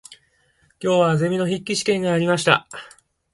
今日はゼミの筆記試験がありました。